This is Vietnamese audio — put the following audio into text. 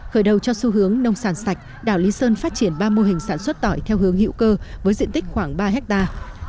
khởi đầu cho xu hướng nông sản sạch đảo lý sơn phát triển ba mô hình sản xuất tỏi theo hướng hữu cơ với diện tích khoảng ba hectare